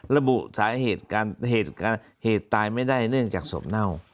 ระบุสาเหตุการเหตุตายไม่ได้เนื่องจากศพเน่า